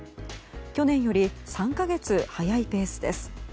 去年より３か月早いペースです。